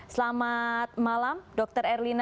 selamat malam dr erlina